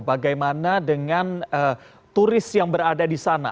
bagaimana dengan turis yang berada di sana